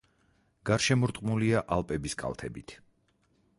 გარშემორტყმულია ალპების კალთებით.